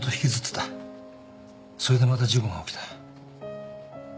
それでまた事故が起きた。